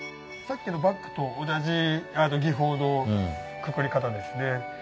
さっきのバッグと同じ技法のくくり方ですね。